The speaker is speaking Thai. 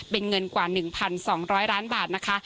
เป็นเงินกว่า๑๒๐๐ล้านบาทนะคะ